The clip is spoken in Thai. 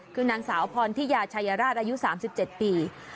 คือนางสาวพรทิยาชายราชอายุ๓๗ปี